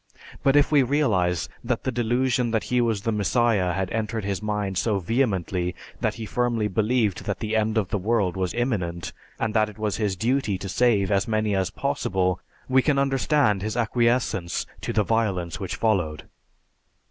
But if we realize that the delusion that he was "The Messiah" had entered his mind so vehemently that he firmly believed that the end of the world was imminent, and that it was his duty to save as many as possible, we can understand his acquiescence to the violence which followed.